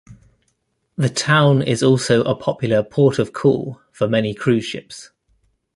The town is also a popular port of call for many cruise ships.